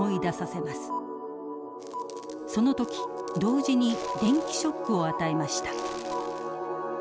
その時同時に電気ショックを与えました。